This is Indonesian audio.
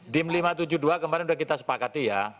dim lima ratus tujuh puluh dua kemarin sudah kita sepakati ya